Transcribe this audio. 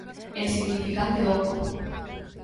En significante oco.